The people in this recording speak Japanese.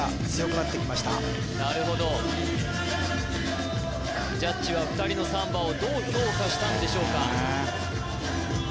なるほどジャッジは２人のサンバをどう評価したんでしょうか？